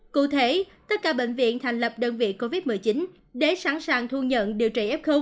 cụ thể tất cả bệnh viện thành lập đơn vị covid một mươi chín để sẵn sàng thu nhận điều trị f